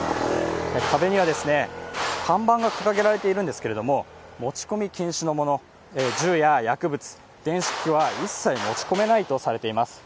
壁には看板が掲げられているんですけれども、持ち込み禁止のもの、銃や薬物、電子機器は一切持ち込めないとされています。